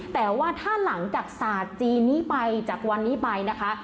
แต่ว่าถ้าหลังจากศาสตร์จีนนี้ไปจากวันนี้ไปนะคะ